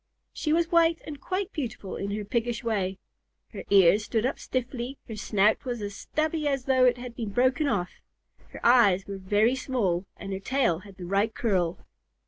She was white and quite beautiful in her piggish way. Her ears stood up stiffly, her snout was as stubby as though it had been broken off, her eyes were very small, and her tail had the right curl.